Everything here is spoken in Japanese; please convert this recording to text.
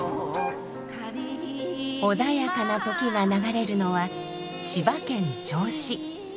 穏やかな時が流れるのは千葉県銚子。